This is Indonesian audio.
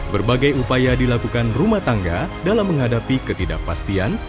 berbagai upaya dilakukan rumah tangga dalam menghadapi ketidakpastian